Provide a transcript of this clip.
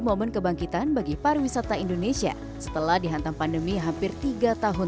momen kebangkitan bagi pariwisata indonesia setelah dihantam pandemi hampir tiga tahun